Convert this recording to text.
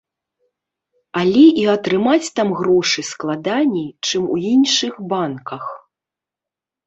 Але і атрымаць там грошы складаней, чым у іншых банках.